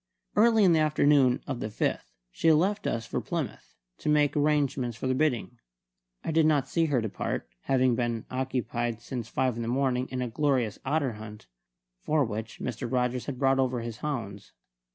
Early in the afternoon of the 5th, she left us for Plymouth, to make arrangements for the bidding. I did not see her depart, having been occupied since five in the morning in a glorious otter hunt, for which Mr. Rogers had brought over his hounds.